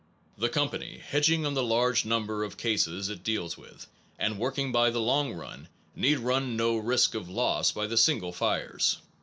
The company, hedging on the large number of cases it deals with, and working by the long run, need run no risk of loss by the single fires.